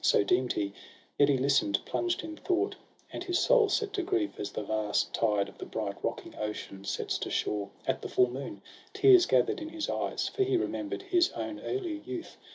So deem'd he ; yet he Hsten'd, plunged in thought And his soul set to grief, as the vast tide Of the bright rocking Ocean sets to shore At the full moon; tears gather'd in his eyes; For he remember'd his own early youth.